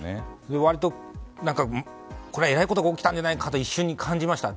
割と、これはえらいことが起きたんじゃないかと一瞬に感じました。